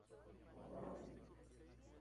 Al año siguiente gana la Supercopa de Suecia.